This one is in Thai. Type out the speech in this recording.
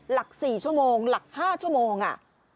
หลัก๔ชั่วโมงหลัก๕ชั่วโมง